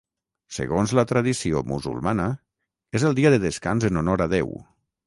Segons la tradició musulmana és el dia de descans en honor a Déu.